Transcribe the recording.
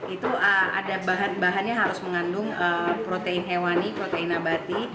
itu ada bahan bahannya harus mengandung protein hewani protein abadi